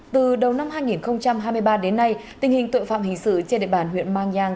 từ đầu năm hai nghìn hai mươi ba đến nay tình hình tội phạm hình sự trên địa bàn huyện mang giang